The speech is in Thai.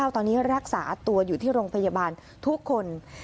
ตอนนี้รักษาตัวอยู่ที่โรงพยาบาลทุกคน